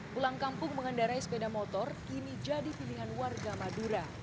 pulang kampung mengendarai sepeda motor kini jadi pilihan warga madura